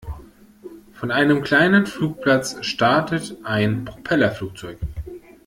Von einem kleinen Flugplatz startet ein Propellerflugzeug.